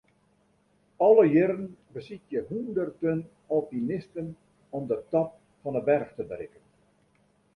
Alle jierren besykje hûnderten alpinisten om de top fan 'e berch te berikken.